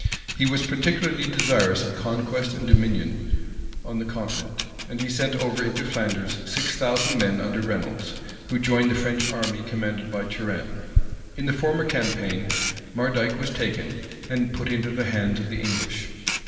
He was particularly desirous of conquest and dominion on the continent;[*] and he sent over into Flanders six thousand men under Reynolds, who joined the French army commanded by Turenne. In the former campaign, Mardyke was taken, and put into the hands of the English.